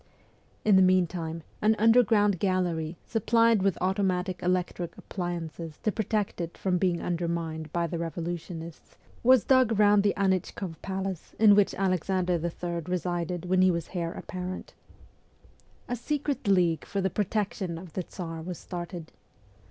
In the meantime, an underground gallery, supplied with automatic electric appliances to protect it from being undermined by the revolutionists, was dug round the Anfchkoff palace in which Alexander III. resided when he was heir apparent. A secret league for the protection of the Tsar was started.